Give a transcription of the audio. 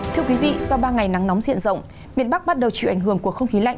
thưa quý vị sau ba ngày nắng nóng diện rộng miền bắc bắt đầu chịu ảnh hưởng của không khí lạnh